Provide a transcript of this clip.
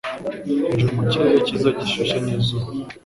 hejuru mu kirere cyiza gishyushye n'izuba